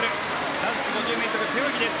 男子５０ｍ背泳ぎです。